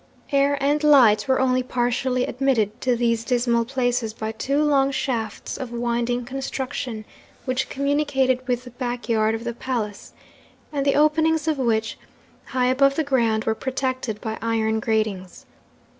Air and light were only partially admitted to these dismal places by two long shafts of winding construction, which communicated with the back yard of the palace, and the openings of which, high above the ground, were protected by iron gratings.